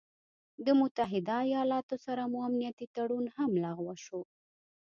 د متحده ايالاتو سره مو امنيتي تړون هم لغوه شو